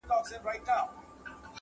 څنګ ته د میخورو به د بنګ خبري نه کوو-